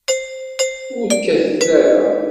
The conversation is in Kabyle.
Ur kkatet ara.